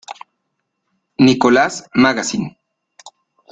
Nicholas Magazine".